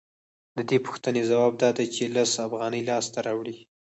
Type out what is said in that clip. د دې پوښتنې ځواب دا دی چې لس افغانۍ لاسته راوړي